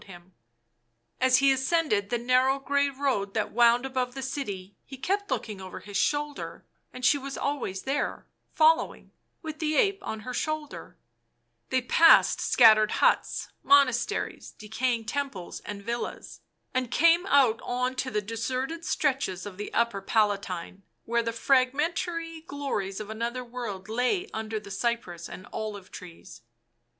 Digitized by UNIVERSITY OF MICHIGAN Original from UNIVERSITY OF MICHIGAN BLACK MAGIC 203 As he ascended the narrow grey road that wound above the city, he kept looking over his shoulder, and she was always there, following, with the ape on her shoulder. They passed scattered huts, monasteries, decaying temples and villas, and came out on to the deserted stretches of the upper Palatine, where the fragmentary glories of another world lay under the cypress and olive trees.